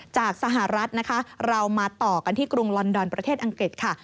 จากสหรัฐนะคะเรามาต่อกันที่กรุงลอนดอนประเทศอังกฤษค่ะ